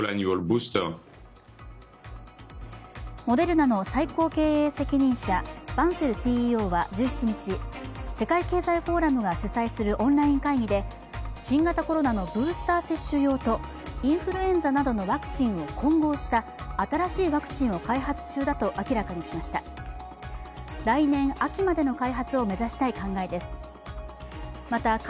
モデルナの最高経営責任者、バンセルＣＥＯは１７日、世界経済フォーラムが主催するオンライン会議で新型コロナのブースター接種用とインフルエンザなどのワクチンを混合した新しいワクチンを開発中だと明らかにしました。